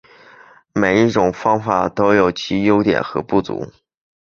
每一种方法都有其优点和不足。